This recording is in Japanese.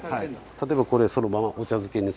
例えばこれそのままお茶漬けにするとかね。